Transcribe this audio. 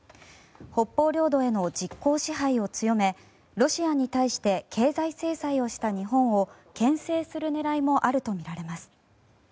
北方領土への実効支配を強めロシアに対して経済制裁をした日本を牽制する狙いもあるとみられます。